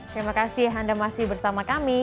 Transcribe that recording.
terima kasih anda masih bersama kami